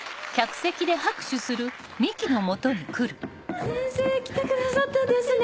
あっ先生来てくださったんですね。